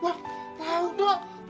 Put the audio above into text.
wah tau dok